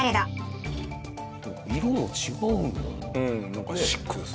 色も違うんだ。